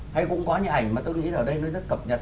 hay cũng có những ảnh mà tôi nghĩ ở đây nó rất cập nhật